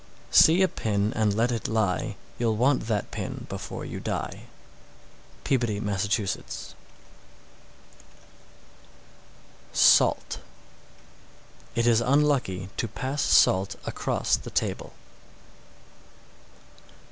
_ 643. See a pin and let it lie, You'll want that pin before you die. Peabody, Mass. SALT. 644. It is unlucky to pass salt across the table.